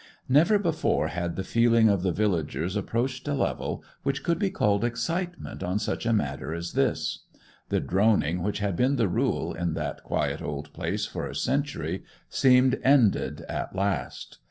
Never before had the feeling of the villagers approached a level which could be called excitement on such a matter as this. The droning which had been the rule in that quiet old place for a century seemed ended at last.